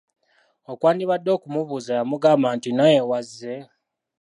Okwandibadde okumubuuza yamugamba nti:"naawe wazze?"